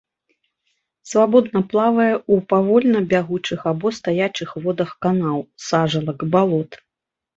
Свабодна плавае ў павольна бягучых або стаячых водах канаў, сажалак, балот.